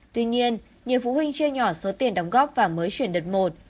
tuy nhiên nhiều phụ huynh chia nhỏ số tiền đóng góp và mới chuyển đợt một